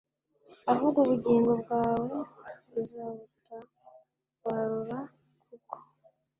ahubwo ubugingo bwawe uzabutabarura kuko